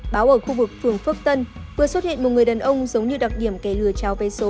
báo ở khu vực phường phước tân vừa xuất hiện một người đàn ông giống như đặc điểm kẻ lừa cháu vé số